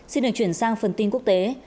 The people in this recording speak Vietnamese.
xin được chuyển sang phần tin quốc tế